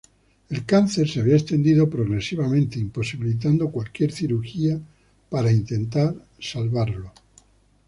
El cáncer se había extendido progresivamente, imposibilitando cualquier cirugía para intentar salvarlo.